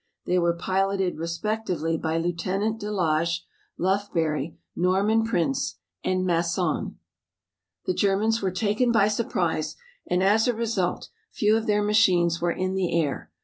They were piloted respectively by Lieutenant de Laage, Lufbery, Norman Prince, and Masson. The Germans were taken by surprise and as a result few of their machines were in the air.